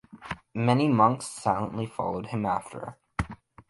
Many monks silently followed him after.